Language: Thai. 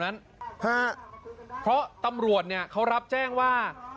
นั้นฮะเพราะตำรวจเนี่ยเขารับแจ้งว่า